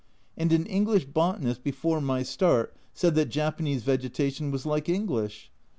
And an English botanist before my start said that Japanese vegetation was like English